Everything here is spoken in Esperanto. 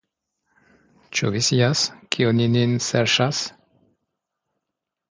Ĉu vi scias, ke oni nin serĉas?